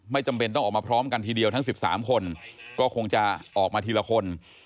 จำเป็นต้องออกมาพร้อมกันทีเดียวทั้ง๑๓คนก็คงจะออกมาทีละคน